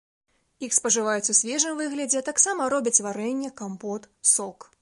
Іх спажываюць у свежым выглядзе, а таксама робяць варэнне, кампоты, сок.